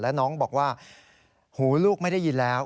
แล้วน้องบอกว่าหูลูกไม่ได้ยินแล้ว